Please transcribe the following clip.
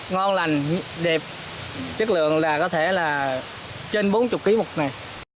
ngon lành đẹp chất lượng là có thể là trên bốn mươi kg một ngày